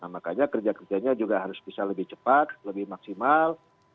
makanya kerja kerjanya juga harus bisa lebih cepat lebih maksimal